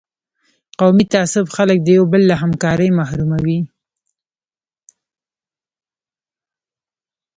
قومي تعصب خلک د یو بل له همکارۍ محروموي.